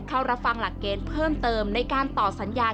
เข้ารับฟังหลักเกณฑ์เพิ่มเติมในการต่อสัญญา